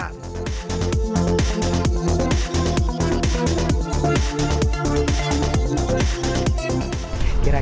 jangan lupa untuk berikan komentar dan berikan komentar